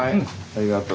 ありがとう。